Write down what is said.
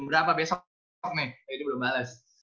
berapa besok nih dia belum bales